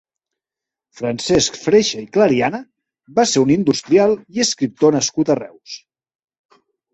Francesc Freixa i Clariana va ser un industrial i escriptor nascut a Reus.